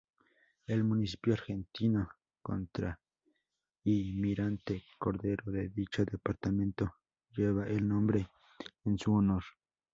El municipio argentino Contralmirante Cordero de dicho departamento, lleva el nombre en su honor.